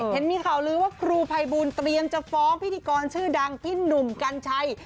เห็นมีข่าวลือว่าครูภัยบูลเตรียมจะฟ้องพิธีกรชื่อดังพี่หนุ่มกัญชัย